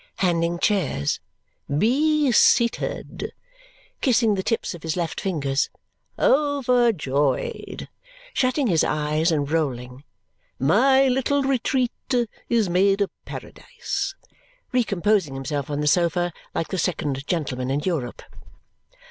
Handing chairs. "Be seated!" Kissing the tips of his left fingers. "Overjoyed!" Shutting his eyes and rolling. "My little retreat is made a paradise." Recomposing himself on the sofa like the second gentleman in Europe.